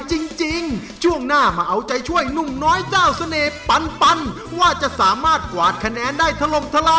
จิงจิงปอนจิงจิงจิงจิงจิงจิงปะเวยงยังก็ได้